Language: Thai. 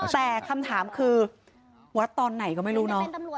แต่คำถามคือวัดตอนไหนก็ไม่รู้เนอะ